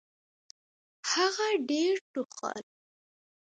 هغه ډېر ټوخل .